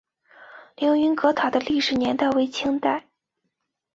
凌云阁塔的历史年代为清代。